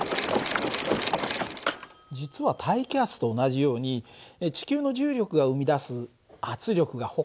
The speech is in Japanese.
実は大気圧と同じように地球の重力が生み出す圧力がほかにもあるんだよね。